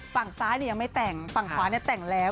ฝั่งซ้ายเนี่ยยังไม่แต่งฝั่งขวาเนี่ยแต่งแล้ว